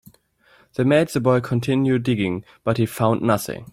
They made the boy continue digging, but he found nothing.